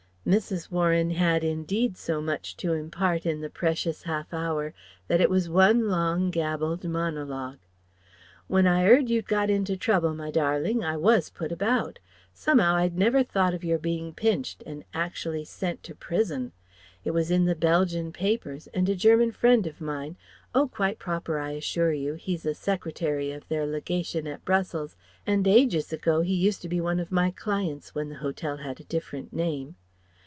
Mrs. Warren had indeed so much to impart in the precious half hour that it was one long gabbled monologue. "When I heard you'd got into trouble, my darling, I was put about. Some'ow I'd never thought of your being pinched and acshally sent to prison. It was in the Belgian papers, and a German friend of mine Oh! quite proper I assure you! He's a Secretary of their legation at Brussels and ages ago he used to be one of my clients when the Hotel had a different name.